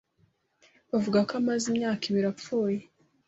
Bavuga ko amaze imyaka ibiri apfuye.